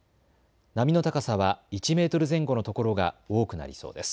波の高さは１メートル前後の所が多くなりそうです。